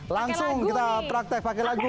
langsung kita praktek pakai lagu